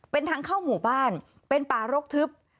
เป็นทางเข้าหมู่บ้านเป็นป่ารกทึบ